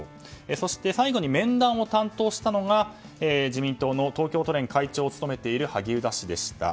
そして、最後に面談を担当したのが自民党の東京都連会長を務めている萩生田氏でした。